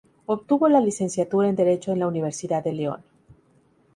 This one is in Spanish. Obtuvo la licenciatura en Derecho en la Universidad de León.